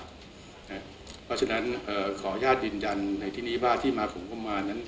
เพราะฉะนั้นขออนุญาตยืนยันในที่นี้ว่าที่มาของงบประมาณนั้น